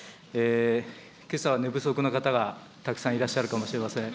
けさは、寝不足の方がたくさんいらっしゃるかもしれません。